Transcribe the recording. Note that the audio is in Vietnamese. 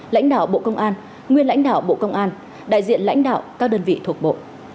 lãnh đạo bộ công an nguyên lãnh đạo bộ công an đại diện lãnh đạo các đơn vị thuộc bộ